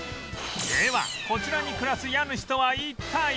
ではこちらに暮らす家主とは一体？